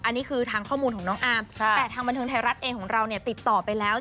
อันนี้คือทางข้อมูลของน้องอาร์มแต่ทางบันเทิงไทยรัฐเองของเราเนี่ยติดต่อไปแล้ว